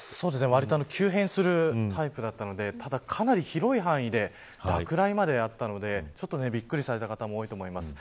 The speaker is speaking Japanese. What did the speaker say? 割と急変するタイプだったのでかなり広い範囲で落雷まであったのでびっくりされた方も多いと思います。